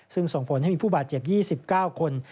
ซึ่งส่งผลให้มีผู้บาดเจ็บ๒๙คน